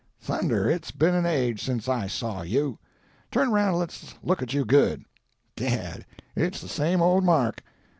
Thunder! It's been an age since I saw you. Turn around and let's look at you good. 'Gad, it's the same old Mark!